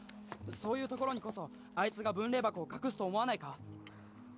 そういうところにこそあいつが分霊箱を隠すと思わないか？